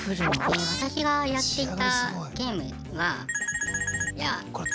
私がやっていたゲームは。